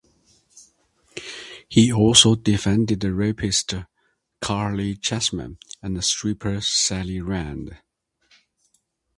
He also defended rapist Caryl Chessman and stripper Sally Rand.